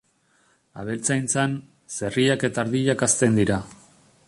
Abeltzaintzan, zerriak eta ardiak hazten dira.